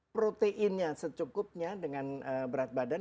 proteinnya secukupnya dengan berat badan